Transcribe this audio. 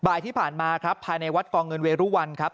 บ่ายที่ผ่านมาครับภายในวัดกองเงินเวรุวันครับ